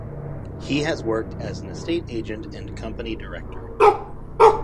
He has worked as an estate agent and company director.